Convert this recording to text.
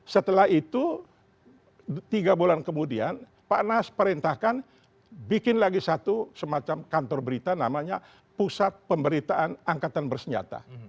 setelah itu tiga bulan kemudian pak nas perintahkan bikin lagi satu semacam kantor berita namanya pusat pemberitaan angkatan bersenjata